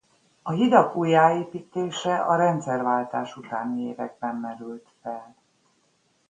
A hidak újjáépítése a rendszerváltás utáni években merült fel.